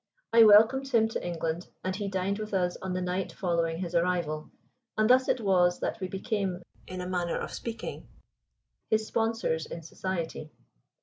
I welcomed him to England, and he dined with us on the night following his arrival, and thus it was that we became, in a manner of speaking, his sponsors in Society.